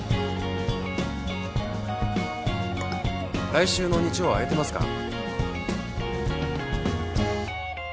「来週の日曜は空いてますか？」